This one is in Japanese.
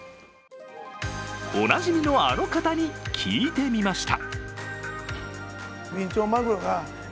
おなじみのあの方に聞いてみました。